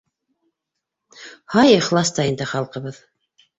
Һай, ихлас та инде халҡыбыҙ!